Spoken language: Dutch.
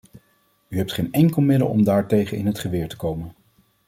U hebt geen enkel middel om daartegen in het geweer te komen.